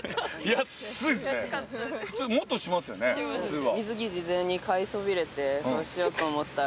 普通は。